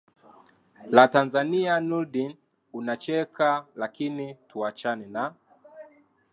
la tanzania nurdin unacheka lakini tuachane na